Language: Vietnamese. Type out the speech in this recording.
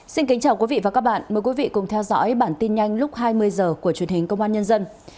xin kính chào quý vị và các bạn mời quý vị cùng theo dõi bản tin nhanh lúc hai mươi h của truyền hình công an nhân dân